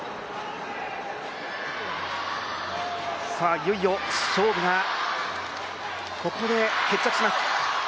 いよいよ勝負が、ここで決着します。